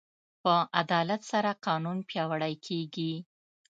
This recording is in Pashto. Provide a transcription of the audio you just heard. په عدالت سره قانون پیاوړی کېږي.